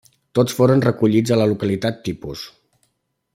Tots foren recollits a la localitat tipus.